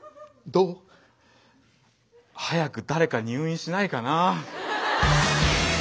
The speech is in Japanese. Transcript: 早く誰か入院しないかな。